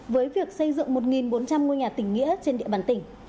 với việc xây dựng một bốn trăm linh ngôi nhà tỉnh nghĩa trên địa bàn tỉnh